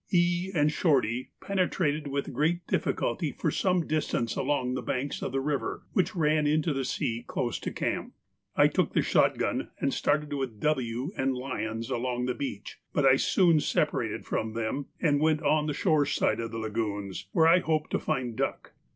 E. and Shorty penetrated with great difficulty for some distance along the banks of the river, which ran into the sea close to camp. I took the shot gun and started with W. and Lyons along the beach, but I soon separated from them, and went on the shore side of the lagoons, where I hoped to find duck.